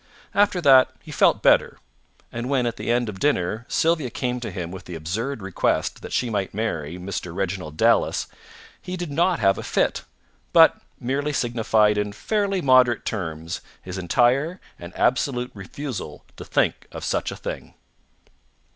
After that he felt better. And when, at the end of dinner, Sylvia came to him with the absurd request that she might marry Mr. Reginald Dallas he did not have a fit, but merely signified in fairly moderate terms his entire and absolute refusal to think of such a thing.